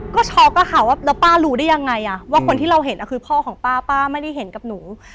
ก็ช็อกอะค่ะว่าแล้วป้ารู้ได้ยังไงว่าคนที่เราเห็นคือพ่อของป้าป้าไม่ได้เห็นกับหนู